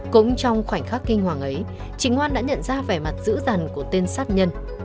cũng trong khoảnh khắc kinh hoàng ấy chị ngoan đã nhận ra vẻ mặt giữ dần của tên sát nhân